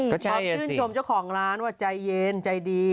ชอบชื่นชมเจ้าของร้านว่าใจเย็นใจดี